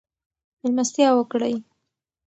مېلمستیا وکړئ.